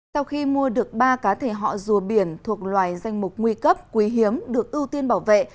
sau khi mua được ba cá thể họ rùa biển thuộc loài danh mục nguy cấp quý hiếm được ưu tiên bảo vệ